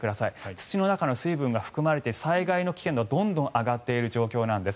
土の中の水分が含まれていて災害の危険度がどんどん上がっている状況なんです。